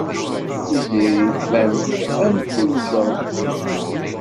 Tiziri tban-d am tin i ijerḥen.